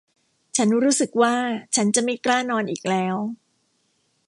ฉันรู้สึกว่าฉันจะไม่กล้านอนอีกแล้ว !